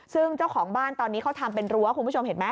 ซึ่งเจ้าของบ้านตอนนี้เขาทำเป็นรั้วคุณผู้ชมเห็นไหม